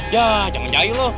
ya jangan jahil lo